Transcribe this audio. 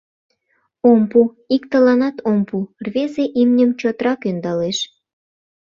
— Ом пу, иктыланат ом пу! — рвезе имньым чотрак ӧндалеш.